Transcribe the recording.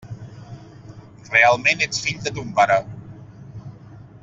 Realment ets fill de ton pare.